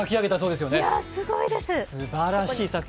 すばらしい作品。